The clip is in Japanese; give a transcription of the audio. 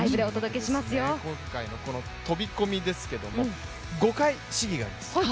今回の飛び込みですが５回、試技があります。